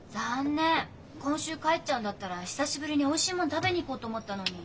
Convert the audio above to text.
今週帰っちゃうんだったら久しぶりにおいしいもん食べに行こうと思ったのに。